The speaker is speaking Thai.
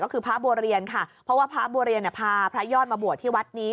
ก็คือพระบัวเรียนค่ะเพราะว่าพระบัวเรียนพาพระยอดมาบวชที่วัดนี้